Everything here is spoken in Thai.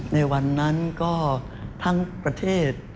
ในวันนั้นก็ทั้งประเทศ